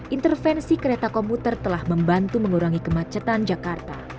intervensi kereta komuter telah membantu mengurangi kemacetan jakarta